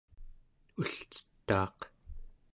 ulcetaaq